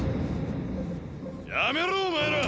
やめろお前ら！